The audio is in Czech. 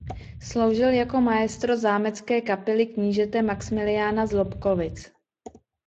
Sloužil jako maestro zámecké kapely knížete Maxmiliána z Lobkovic.